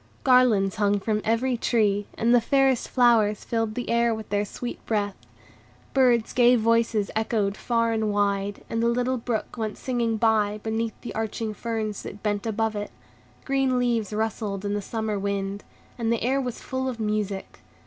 Garlands hung from every tree, and the fairest flowers filled the air with their sweet breath. Bird's gay voices echoed far and wide, and the little brook went singing by, beneath the arching ferns that bent above it; green leaves rustled in the summer wind, and the air was full of music.